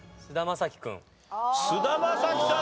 菅田将暉さん